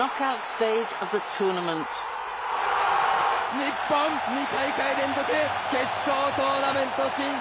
日本、２大会連続、決勝トーナメント進出。